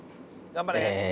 頑張れ。